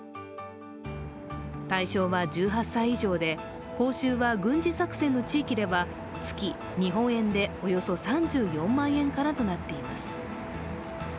対象は１８歳以上で報酬は軍事作戦の地域では月、日本円でおよそ３４万円からとなっています。